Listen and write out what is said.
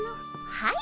はい。